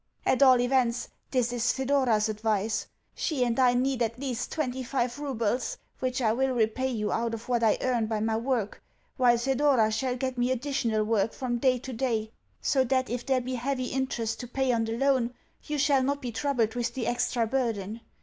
At all events, this is Thedora's advice. She and I need at least twenty five roubles, which I will repay you out of what I earn by my work, while Thedora shall get me additional work from day to day, so that, if there be heavy interest to pay on the loan, you shall not be troubled with the extra burden.